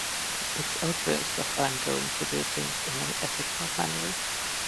It's obvious that I'm going to do things in an ethical manner.